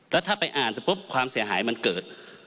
และถ้าไปอ่านปุ๊บความเสียหายมันเกิด